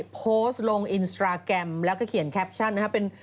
โพสต์ลงอินสตราแกรมแล้วก็เขียนแคปชั่นนะครับเป็น